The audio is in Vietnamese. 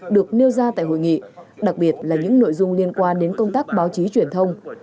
được nêu ra tại hội nghị đặc biệt là những nội dung liên quan đến công tác báo chí truyền thông